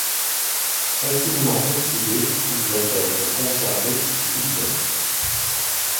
Facilement oxydé, il doit être conservé sous vide.